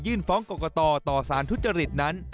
ฟ้องกรกตต่อสารทุจริตนั้น